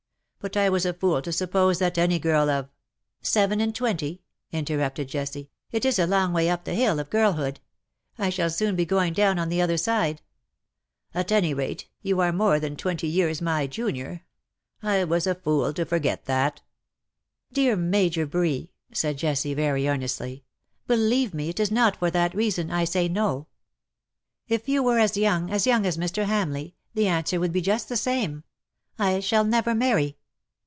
But I was a fool to suppose that any girl of "" Seven and twenty/^ interrupted Jessie :" it is a long way up the hill of girlhood. I shall soon be going down on the other side.'^ *^ At any rate^ you are more than twenty years my junior. I was a fool to forget that.^^ " Dear Major Bree/^ said Jessie, very earnestly, '^believe me, it is not for that reason, I say No. If you were as young — as young as Mr. Hamleigh — the answer would be just the same. I shall never marry.